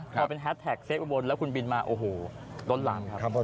พอเป็นแฮตแทคเซ็กข์บนแล้วคุณบินมาโอ้โฮ้ต้นรัมครับ